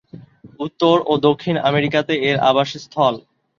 উত্তর ও দক্ষিণ আমেরিকাতে এর আবাসস্থল।